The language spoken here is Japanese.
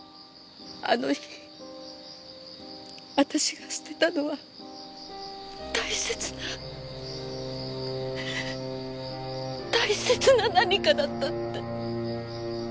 あの日私が捨てたのは大切な大切な何かだったって！